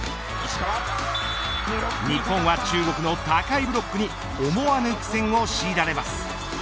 日本は、中国の高いブロックに思わぬ苦戦を強いられます。